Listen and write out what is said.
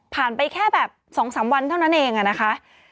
ไปแค่แบบ๒๓วันเท่านั้นเองนะคะ